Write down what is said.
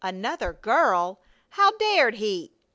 Another girl! How dared he!